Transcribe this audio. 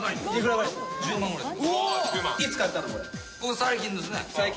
最近ですね。